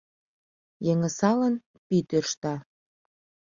Йыҥысалын, пий тӧршта.